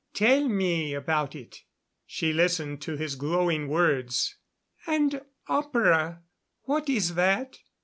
Tell me about it." She listened to his glowing words. "And opera what is that?"